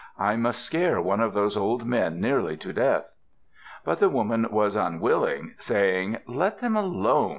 I must scare one of those old men nearly to death." But the woman was unwilling, saying, "Let them alone.